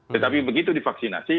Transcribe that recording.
tetapi begitu divaksinasi